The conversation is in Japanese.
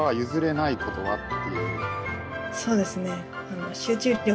そうですね。